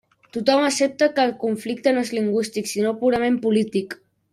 Tothom accepta que el conflicte no és lingüístic sinó purament polític.